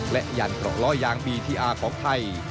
และยันเกราะล่อยางบีทีอาร์ของไทย